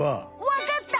わかった！